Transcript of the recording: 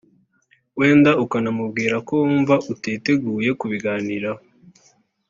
wenda ukanamubwira ko wumva utiteguye kubiganiraho